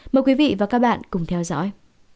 mời quý vị và các bạn cùng theo dõi